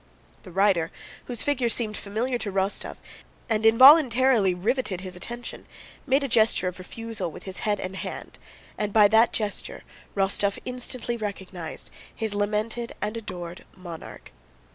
The rider, whose figure seemed familiar to Rostóv and involuntarily riveted his attention, made a gesture of refusal with his head and hand and by that gesture Rostóv instantly recognized his lamented and adored monarch.